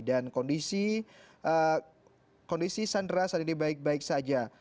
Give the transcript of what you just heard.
dan kondisi sandera sendiri baik baik saja